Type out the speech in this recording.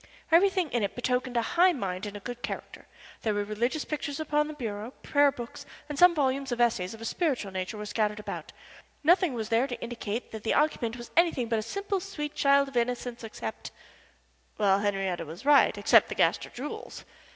Everything in it betokened a high mind and a good character. There were religious pictures upon the bureau, prayer books, and some volumes of essays of a spiritual nature were scattered about nothing was there to indicate that the occupant was anything but a simple, sweet child of innocence except Well, Henriette was right except the Gaster jewels.